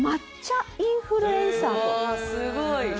すごい。